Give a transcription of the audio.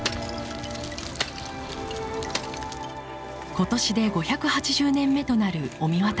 今年で５８０年目となる御神渡りの観察。